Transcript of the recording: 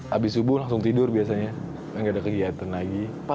habis subuh langsung tidur biasanya nggak ada kegiatan lagi